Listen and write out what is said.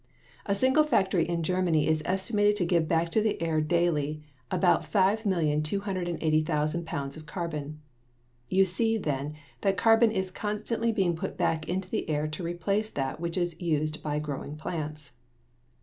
A single factory in Germany is estimated to give back to the air daily about 5,280,000 pounds of carbon. You see, then, that carbon is constantly being put back into the air to replace that which is used by growing plants.